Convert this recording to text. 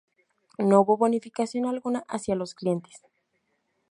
No hubo bonificación alguna hacia los clientes.